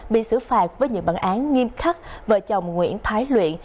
bị xử phạt với những bản án nghiêm khắc vợ chồng nguyễn thái luyện